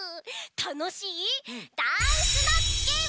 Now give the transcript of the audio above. たのしいダンスのゲーム！